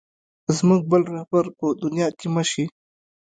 زموږ بل رهبر په دنیا کې مه شې.